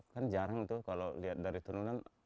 kan jarang tuh kalau lihat dari turunan